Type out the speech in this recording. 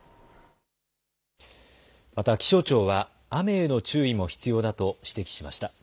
また気象庁は雨への注意も必要だと指摘しました。